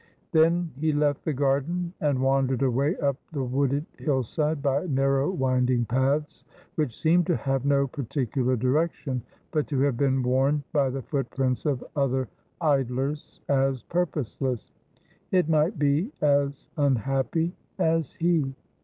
Then he left the garden and wandered away up the wooded hillside, by narrow winding paths, which seemed to have no par ticular direction, but to have been worn by the footprints of other idlers as purposeless — it might be as unhappy — as he.